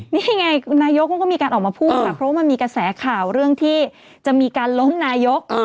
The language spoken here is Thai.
นี่ไงนายกมันก็มีการออกมาพูดค่ะเพราะว่ามันมีกระแสข่าวเรื่องที่จะมีการล้มนายก